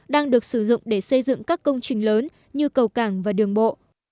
đang được sử dụng để xây dựng các công trình lớn như cầu cảng và đường bộ